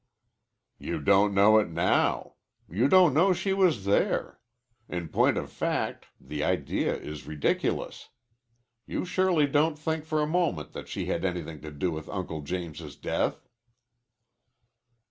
"You don't know it now. You don't know she was there. In point of fact the idea is ridiculous. You surely don't think for a moment that she had anything to do with Uncle James's death."